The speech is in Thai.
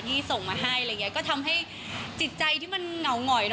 ที่ส่งมาให้อะไรอย่างนี้ก็ทำให้จิตใจที่มันเหงาหงอยเน